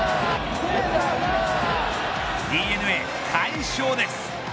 ＤｅＮＡ快勝です。